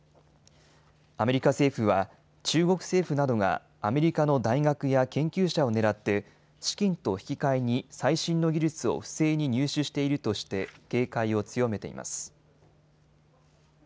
アメリカ政府は中国政府などがアメリカの大学や研究者を狙って資金と引き換えに最新の技術を不正に入手しているとして警戒を強めています。